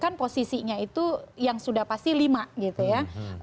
kan posisinya itu yang sudah pasti lima gitu ya